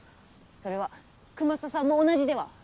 それはくまささんも同じでは？